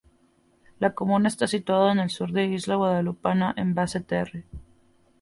La comuna está situada en el sur de la isla guadalupana de Basse-Terre.